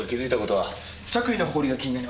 着衣のほこりが気になります。